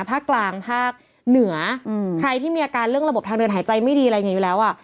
ภาคกลางภาคเหนือใครที่มีอาการเรื่องระบบทางเดินหายใจไม่ดีอะไรอย่างนี้อยู่แล้วอ่ะ